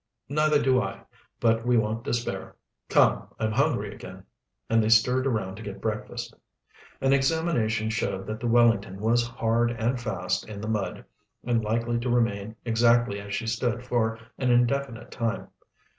"Neither do I, but we won't despair. Come, I'm hungry again," and they stirred around to get breakfast. An examination showed that the Wellington was hard and fast in the mud, and likely to remain exactly as she stood for an indefinite time.